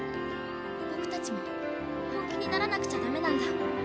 ボクたちも本気にならなくちゃダメなんだ。